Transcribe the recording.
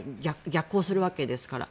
逆行するわけですから。